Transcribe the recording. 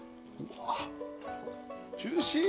ジューシー。